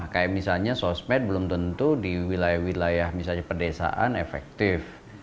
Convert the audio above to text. kayak misalnya sosmed belum tentu di wilayah wilayah misalnya pedesaan efektif